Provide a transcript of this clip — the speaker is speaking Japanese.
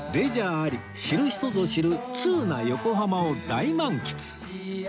あり知る人ぞ知る通な横浜を大満喫